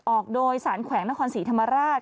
ออกโดยสารแขวงนครศรีธรรมราช